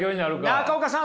中岡さん